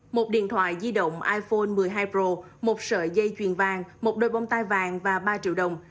một điện thoại di động iphone một mươi hai pro một sợi dây chuyền vàng một đôi bông tai vàng và ba triệu đồng